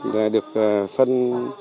thì được phân